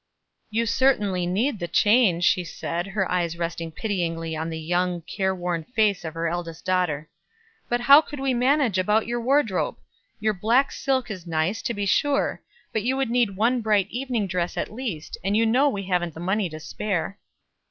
"You certainly need the change," she said, her eyes resting pityingly on the young, careworn face of her eldest daughter. "But how could we manage about your wardrobe? Your black silk is nice, to be sure; but you would need one bright evening dress at least, and you know we haven't the money to spare."